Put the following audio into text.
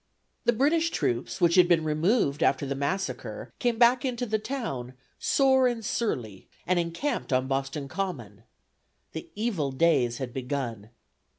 " The British troops, which had been removed after the "Massacre," came back into the town, "sore and surly," and encamped on Boston Common. The evil days had begun.